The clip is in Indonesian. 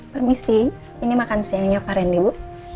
permisi ini makan siangnya pak rendy bu